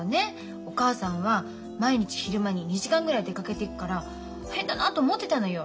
お母さんは毎日昼間に２時間ぐらい出かけていくから変だなと思ってたのよ。